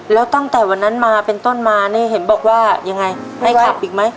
แล้วตั้งแต่วันนั้นมาเป็นต้นมานี่เห็นบอกว่ายังไงให้ขับอีกไหม